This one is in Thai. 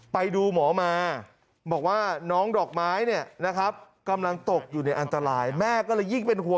ไปดูหมอมาบอกว่าน้องดอกไม้กำลังตกอยู่ในอันตราย